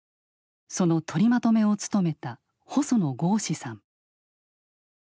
その取りまとめを務めた細野豪志さん。